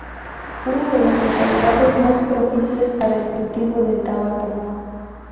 Una de las localidades más propicias para el cultivo del tabaco.